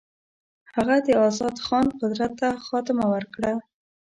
هغه د آزاد خان قدرت ته خاتمه ورکړه.